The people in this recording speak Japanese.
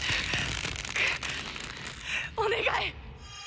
お願い！